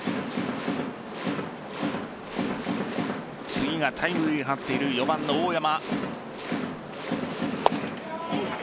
次がタイムリーを打っている４番の大山。